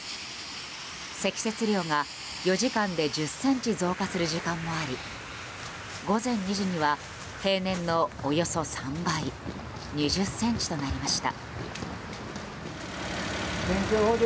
積雪量が４時間で１０ｃｍ増加する時間もあり午前２時には平年のおよそ３倍２０ｃｍとなりました。